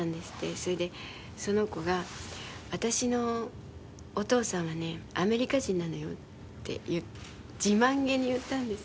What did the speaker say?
それでその子が「私のお父さんはねアメリカ人なのよ」って自慢げに言ったんです。